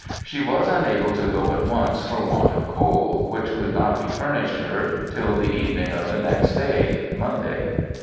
She was unable to go at once for want of coal, which could not be furnished her till the evening of the next day (Monday).